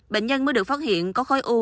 bệnh nhân mới được phát hiện có khói u